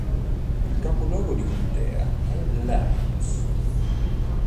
Il capoluogo di contea è Lyons.